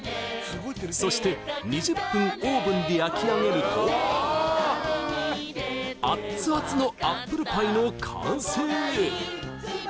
そして２０分オーブンで焼き上げるとアッツアツのアップルパイの完成！